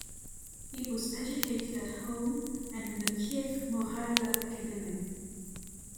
He was educated at home and in the Kiev-Mohyla Academy.